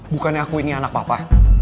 bukannya aku ini anak papa